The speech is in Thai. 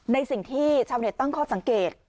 ในสิ่งที่เช่าเน็ตต้องคอสังเกต